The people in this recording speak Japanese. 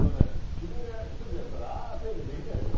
君が一人でやったらああ丁寧にできないでしょ。